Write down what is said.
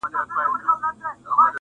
د ذوق د جل وهليو ټولی ناست دی منتظر